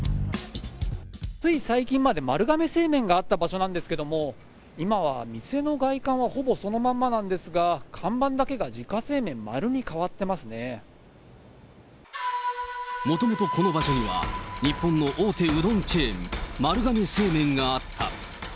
つい最近まで丸亀製麺があった場所なんですけれども、今は店の外観はほぼそのままなんですが、看板だけが自家製麺丸にもともとこの場所には、日本の大手うどんチェーン、丸亀製麺があった。